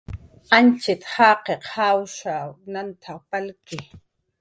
Antxiq jaqiq jawash nant palki